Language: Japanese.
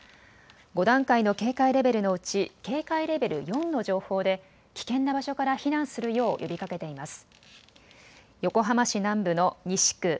５段階の警戒レベルのうち警戒レベル４の情報で危険な場所から避難するよう呼びかけています。